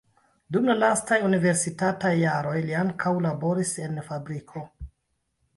Dum la lastaj universitataj jaroj li ankaŭ laboris en fabriko.